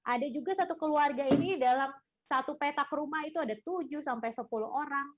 ada juga satu keluarga ini dalam satu petak rumah itu ada tujuh sampai sepuluh orang